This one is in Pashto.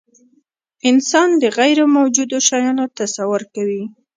انسان د غیرموجودو شیانو تصور کوي.